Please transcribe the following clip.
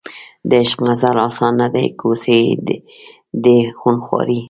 د عشق مزل اسان نه دی کوڅې یې دي خونخوارې